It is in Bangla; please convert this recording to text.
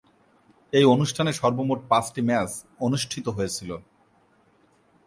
এই অনুষ্ঠানে সর্বমোট পাঁচটি ম্যাচ অনুষ্ঠিত হয়েছিল।